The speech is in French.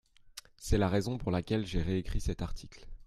C’est la raison pour laquelle j’ai réécrit cet article.